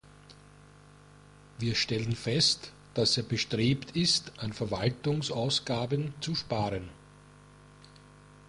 Wir stellen fest, dass er bestrebt ist, an Verwaltungsausgaben zu sparen.